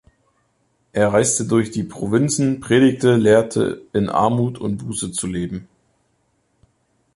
Er reiste durch die Provinzen, predigte, lehrte, in Armut und Buße zu leben.